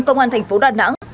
công an thành phố đà nẵng